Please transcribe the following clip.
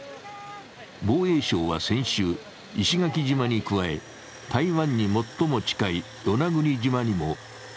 防衛省は先週、石垣島に加え、台湾に最も近い与那国島にも地